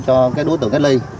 cho các đối tượng cách ly